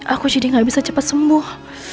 aku jadi gak bisa cepat sembuh